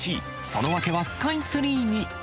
その訳はスカイツリーに。